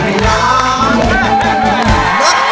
ขอบคุณครับ